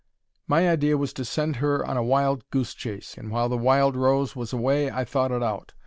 My idea was to send her on a wild goose chase, and while the Wild Rose was away I thought it out.